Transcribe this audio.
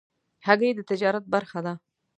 هګۍ د تجارت برخه ده.